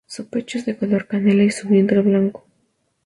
Su pecho es de color canela y su vientre blanco.